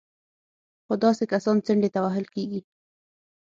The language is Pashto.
خو داسې کسان څنډې ته وهل کېږي